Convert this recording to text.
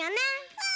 うん！